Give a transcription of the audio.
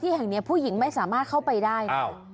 แห่งนี้ผู้หญิงไม่สามารถเข้าไปได้นะ